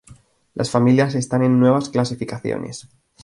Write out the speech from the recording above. Las familias están en nuevas clasificaciones.